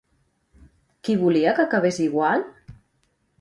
Qui volia que acabés igual?